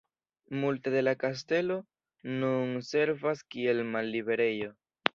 Multe de la kastelo nun servas kiel malliberejo.